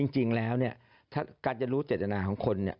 จริงแล้วการจะรู้เจตนาของคน